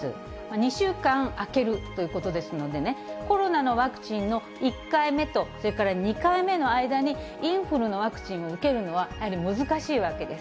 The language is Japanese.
２週間空けるということですのでね、コロナのワクチンの１回目とそれから２回目の間に、インフルのワクチンを受けるのはやはり難しいわけです。